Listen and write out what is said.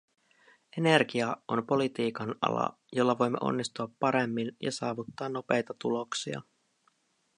Energia on politiikan ala, jolla voimme onnistua paremmin ja saavuttaa nopeita tuloksia.